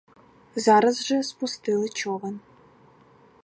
Зараз же спустили човен.